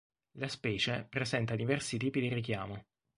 La specie presenta diversi tipi di richiamo.